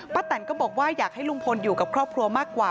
แตนก็บอกว่าอยากให้ลุงพลอยู่กับครอบครัวมากกว่า